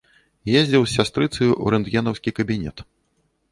Ездзіў з сястрыцаю ў рэнтгенаўскі кабінет.